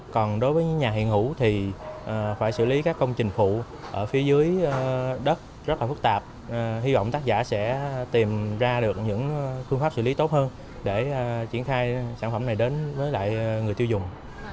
chuyển thai sản phẩm này đến với lại người tiêu dùng